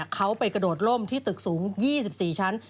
เขาไปกระโดดล่มที่ตึกสูง๒๔ชั้น